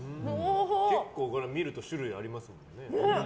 結構見ると種類ありますね。